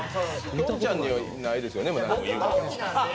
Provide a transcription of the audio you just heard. きょんちゃんにはないですよね？